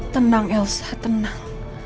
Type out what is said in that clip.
tenang elsa tenang